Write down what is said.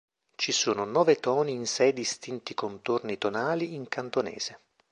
Ci sono nove toni in sei distinti contorni tonali in cantonese.